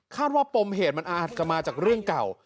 ว่าปมเหตุมันอาจจะมาจากเรื่องเก่า